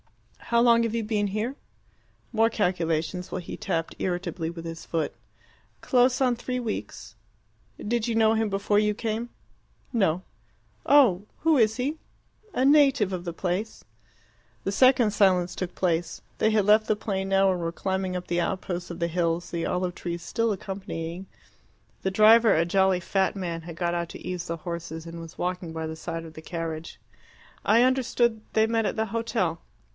"How long have you been here?" More calculations, while he tapped irritably with his foot. "Close on three weeks." "Did you know him before you came?" "No." "Oh! Who is he?" "A native of the place." The second silence took place. They had left the plain now and were climbing up the outposts of the hills, the olive trees still accompanying. The driver, a jolly fat man, had got out to ease the horses, and was walking by the side of the carriage. "I understood they met at the hotel."